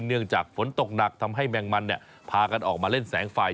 เนื่องจากฝนตกหนักทำให้แมงมันพากันออกมาเล่นแสงไฟ